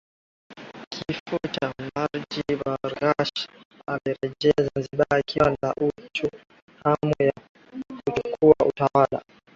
Kifo cha Majid Barghash alirejea Zanzibar akiwa na uchu hamu ya kuchukuwa utawala